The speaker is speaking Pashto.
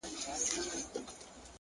صبر د لویو موخو ملګری دی.